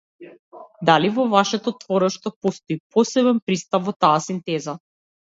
Дали во вашето творештво постои посебен пристап во таа синтеза?